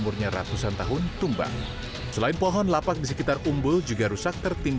setelah itu barulah pohonnya tumbang